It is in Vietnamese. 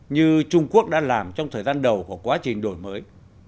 như trung quốc đã làm trong thời gian đầu của quá trình đổi mới